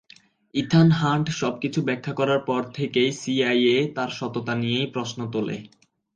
Ethan Hunt সবকিছু ব্যাখ্যা করার পর থেকেই সিআইএ তার সততা নিয়েই প্রশ্ন তোলে।